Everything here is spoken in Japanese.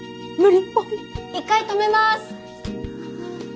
一回止めます。